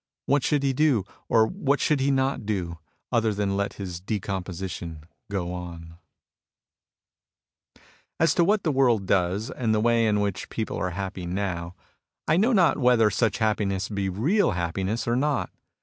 What should he do, or what should he not do, other than let his decomposition go on ? As to what the world does and the way in which people are happy now, I know not whether such happiness be real happiness or not.